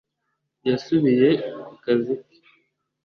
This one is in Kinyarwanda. yasubiye ku kazi ke.